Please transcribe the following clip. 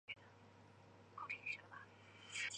叶庚年家族祖籍浙江宁波镇海庄市。